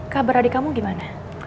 kabar adik kamu gimana